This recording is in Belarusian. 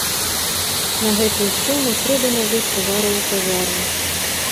На гэтую суму трэба набыць тавараў у кавярні.